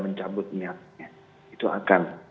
mencabut niatnya itu akan